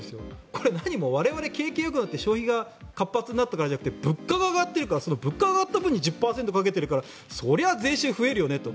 これは何も我々、景気よくなって消費が活発になったからではなくて物価が上がっているから物価が上がった分に１０％掛けているからそれは税収増えるよねと。